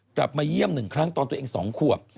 กลับมาเยี่ยม๑ครั้งตอนตัวเอง๒ขวบ